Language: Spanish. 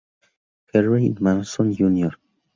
Harvey Mason, Jr.